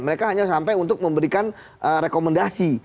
mereka hanya sampai untuk memberikan rekomendasi